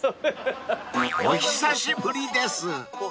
［お久しぶりです］